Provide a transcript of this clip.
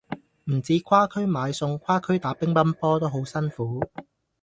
唔止跨區買餸，跨區打乒乓波都好辛苦